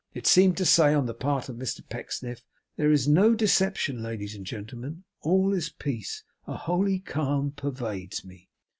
It seemed to say, on the part of Mr Pecksniff, 'There is no deception, ladies and gentlemen, all is peace, a holy calm pervades me.